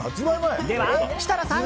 では、設楽さん。